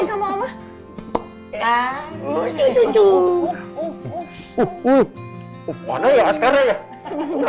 hehehe puyutnya puyutnya